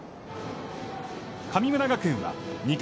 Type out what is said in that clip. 神村学園は２回。